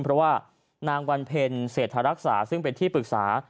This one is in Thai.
เพราะว่านางวันเพ็ญเศรษฐรักษาซึ่งเป็นที่ปรึกษา